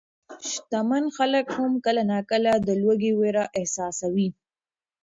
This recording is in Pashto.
شتمن خلک هم کله ناکله د لوږې وېره احساسوي.